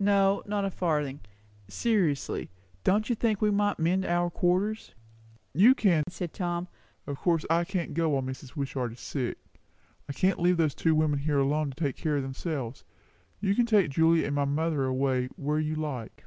"No, not a farthing. Seriously, don't you think we might mend our quarters?" "You can," said Tom. "Of course I can't go while Mrs. Wishart is sick. I can't leave those two women alone here to take care of themselves. You can take Julia and my mother away, where you like."